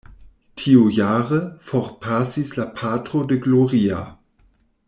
Tiujare, forpasis la patro de Gloria.